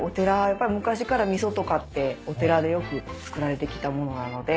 やっぱり昔から味噌とかってお寺でよく造られてきた物なので。